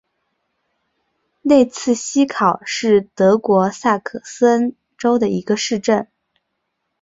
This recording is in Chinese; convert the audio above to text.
内茨希考是德国萨克森州的一个市镇。